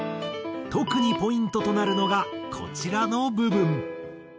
特にポイントとなるのがこちらの部分。